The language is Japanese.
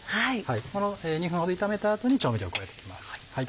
この２分ほど炒めた後に調味料を加えて行きます。